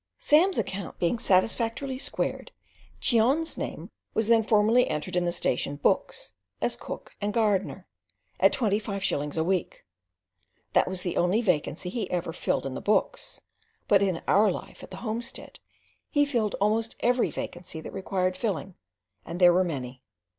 Sam's account being satisfactorily "squared," Cheon's name was then formally entered in the station books as cook and gardener, at twenty five shillings a week. That was the only vacancy he ever filled in the books; but in our life at the homestead he filled almost every vacancy that required filling, and there were many.